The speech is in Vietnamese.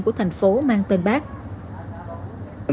của thành phố mang tên bác